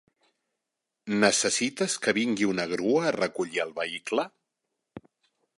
Necessites que vingui una grua a recollir el vehicle?